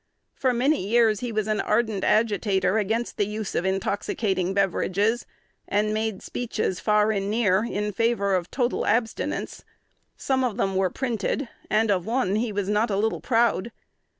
For many years he was an ardent agitator against the use of intoxicating beverages, and made speeches, far and near, in favor of total abstinence. Some of them were printed; and of one he was not a little proud.